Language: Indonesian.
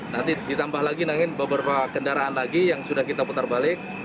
nanti ditambah lagi beberapa kendaraan lagi yang sudah kita putar balik